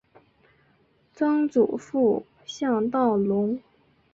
曾祖父向道隆。